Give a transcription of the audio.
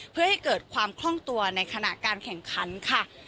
เพื่อให้เกิดความคล่องตัวในขณะการแข่งขันค่ะ